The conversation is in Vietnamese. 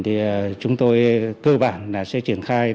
thì chúng tôi cơ bản là sẽ triển khai